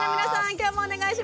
今日もお願いします。